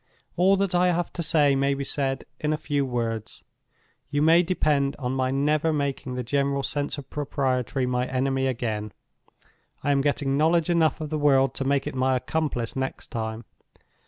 "All that I have to say may be said in a few words. You may depend on my never making the general Sense of Propriety my enemy again: I am getting knowledge enough of the world to make it my accomplice next time.